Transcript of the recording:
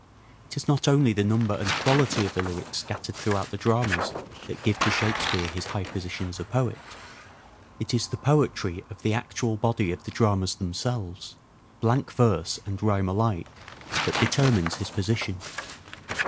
It is not only the number and quality of the lyrics scattered throughout the dramas that give to Shakespeare his high position as a poet ; it is the poetry of the actual FINAL OR SHAKESPEAREAN PERIOD 387 body of the dramas themselves, blank verse and rhyme alike, that determines his position.